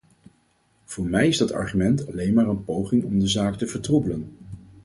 Voor mij is dat argument alleen maar een poging om de zaak te vertroebelen.